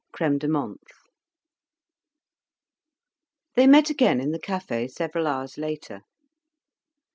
CRÈME DE MENTHE They met again in the café several hours later.